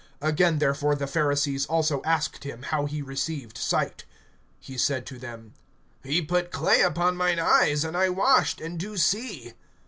(15)Again therefore the Pharisees also asked him, how he received sight. He said to them: He put clay upon mine eyes, and I washed, and do see.